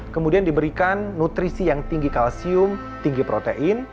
kemudian diberikan nutrisi yang tinggi kalsium tinggi protein